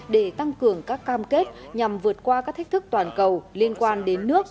để tăng cường các cam kết nhằm vượt qua các thách thức toàn cầu liên quan đến nước